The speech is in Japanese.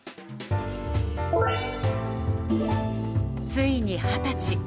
ついに二十歳。